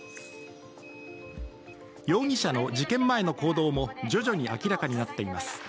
容疑者の事件前の行動も徐々に明らかになっています。